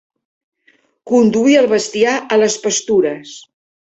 Conduir el bestiar a les pastures.